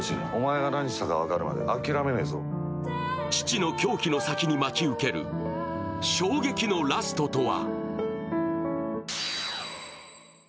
父の狂気の先に待ち受ける衝撃のラストとは？